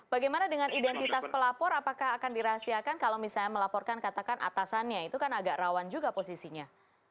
bagaimana dengan identitas pelapor apakah akan dirahasiakan kalau misalnya melaporkan katakan atasannya itu kan agak rawan juga posisinya